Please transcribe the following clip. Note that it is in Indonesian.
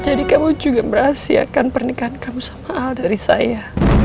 kamu juga merahasiakan pernikahan kamu sama hal dari saya